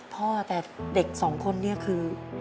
พ่อแต่เด็กสองคนนี้คือ